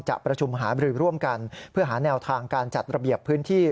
ประชุมหาบรือร่วมกันเพื่อหาแนวทางการจัดระเบียบพื้นที่